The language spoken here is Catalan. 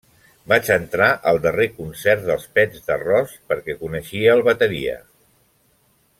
Vaig entrar al darrer concert dels Pets d'arròs, perquè coneixia el bateria.